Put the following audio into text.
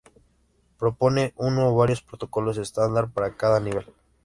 Propone uno o varios protocolos estándar para cada nivel.